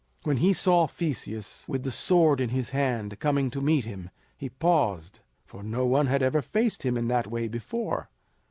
When he saw Theseus with the sword in his hand coming to meet him, he paused, for no one had ever faced him in that way before.